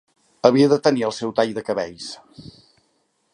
Havia de tenir el seu tall de cabells.